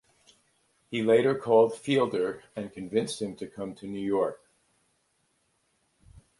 He later called Fielder and convinced him to come to New York.